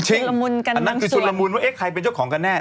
จริงอันนั้นก็ชุดละมุนว่าเอ๊ะใครเป็นเจ้าของกันแน่